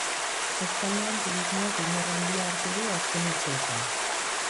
Kostaldean turismoak indar handia hartu du azken urteetan.